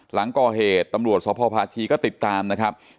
หลังก่อเหตุตำรวจสพพาชีก็ติดตามนะครับ